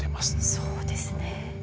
そうですね。